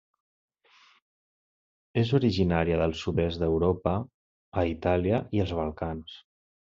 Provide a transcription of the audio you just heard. És originària del sud-est d'Europa a Itàlia i els Balcans.